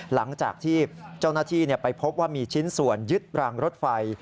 หลังจากที่เจ้าหน้าที่ไปพบว่ามีชิ้นส่วนยึดรางรถไฟ